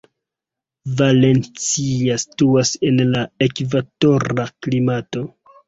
Valencia situas en la ekvatora klimato.